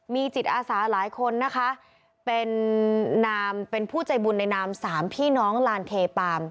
มีจิตอาสาหลายคนนะคะเป็นนามเป็นผู้ใจบุญในนามสามพี่น้องลานเทปาม